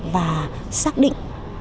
và xác định